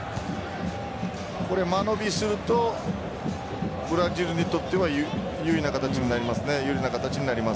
これ、間延びするとブラジルにとっては有利な形になりますね。